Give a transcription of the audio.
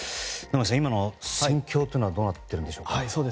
野上さん、今の戦況というのはどうなってるんでしょうか。